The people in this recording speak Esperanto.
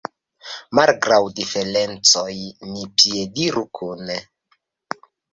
Malgraŭ diferencoj ni piediru kune.